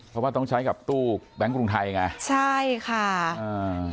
เพราะว่าต้องใช้กับตู้แบงค์กรุงไทยไงใช่ค่ะอ่า